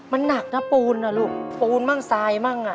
มันนักนะปูนลูกปูนบ้างทรายบ้าง